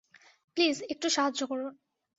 Please একটু সাহায্য করুন।